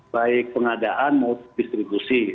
baik pengadaan maupun distribusi